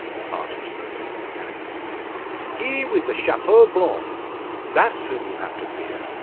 asks Murdock, mechanically. "He with the chapeau blanc. That's whom you have to fear.